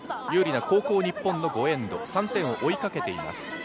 有利な後攻・日本の５エンド、３点を追いかけています。